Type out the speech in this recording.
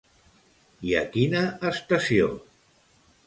I a quina estació?